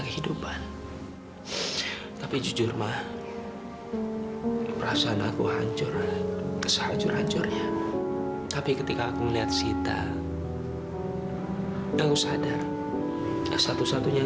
aku harus kudam menemukan dia